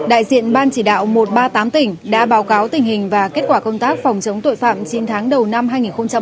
đại diện ban chỉ đạo một trăm ba mươi tám tỉnh đã báo cáo tình hình và kết quả công tác phòng chống tội phạm chín tháng đầu năm hai nghìn hai mươi ba